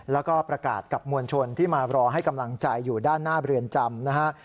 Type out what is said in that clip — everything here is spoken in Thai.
แล้วก็ประกาศกับมวลชนที่มารอให้กำลังใจอยู่ด้านหน้าเรือนจำนะฮะ